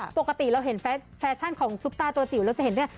ปกติเราเห็นแฟชั่นของซุปตาตัวจิ๋วเราจะเห็นด้วย